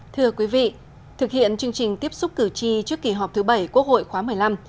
thưa quý vị thực hiện chương trình tiếp xúc cử tri trước kỳ họp thứ bảy quốc hội khóa một mươi năm